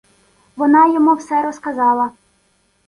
Вона йому все розказала